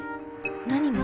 何が？